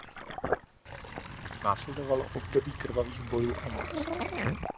Následovalo období krvavých bojů o moc.